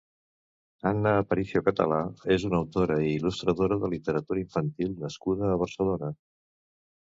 Anna Aparicio Català és una autora i il·lustradora de literatura infantil nascuda a Barcelona.